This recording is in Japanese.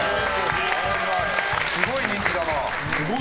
すごい人気だな。